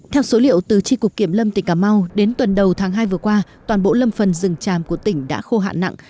theo số liệu từ tri cục kiểm lâm tỉnh cà mau đến tuần đầu tháng hai vừa qua toàn bộ lâm phần rừng tràm của tỉnh đã khô hạn nặng